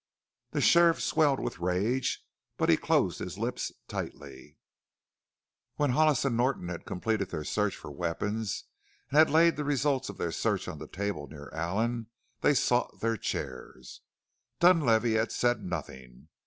The sheriff swelled with rage, but he closed his lips tightly. When Hollis and Norton had completed their search for weapons and had laid the result of their search on the table near Allen they sought their chairs. Dunlavey had said nothing.